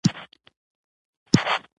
د لاسرسي حق د شفافیت برخه ده.